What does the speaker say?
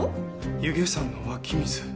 弓削山の湧き水。